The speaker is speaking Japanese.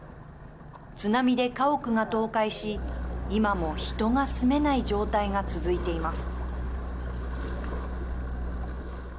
津波で家屋が倒壊し今も人が住めない状態が続いています。